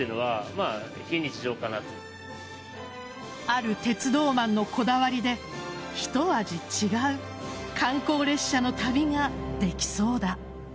ある鉄道マンのこだわりで一味違う観光列車の旅ができそうだ。